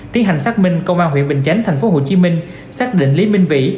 tiến hành xác minh công an huyện bình chánh thành phố hồ chí minh xác định lý minh vĩ